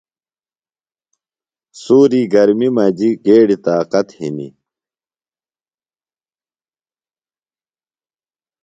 سُوری گرمیۡ مجیۡ گیڈیۡ طاقت ہِنیۡ۔